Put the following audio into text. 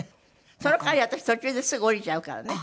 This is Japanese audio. その代わり私途中ですぐ降りちゃうからね。